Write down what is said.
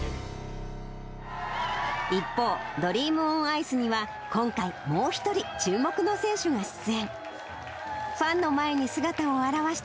一方、ドリーム・オン・アイスには、今回、もう一人、注目の選手が出演。